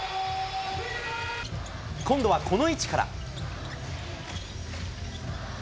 今度はこの位置から。